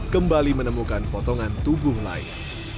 kembali menemukan potongan tubuh lain